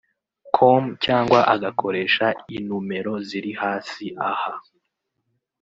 com cyangwa agakoresha inumero ziri hasi aha